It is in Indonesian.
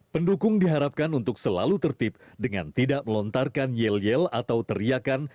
pendukung diharapkan untuk selalu tertib dengan tidak melontarkan yel yel atau teriakan